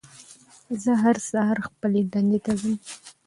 زه هر سهار خپلې دندې ته ځم